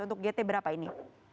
untuk gt berapa ini